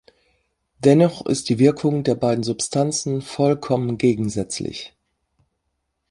Dennoch ist die Wirkung der beiden Substanzen vollkommen gegensätzlich.